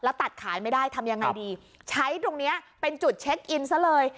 แล้วตัดขายไม่ได้ทำยังไงดีใช้ตรงเนี้ยเป็นจุดเช็คอินซะเลย